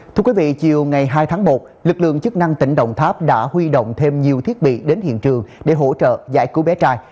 thưa quý vị chiều ngày hai tháng một lực lượng chức năng tỉnh đồng tháp đã huy động thêm nhiều thiết bị đến hiện trường để hỗ trợ giải cứu bé trai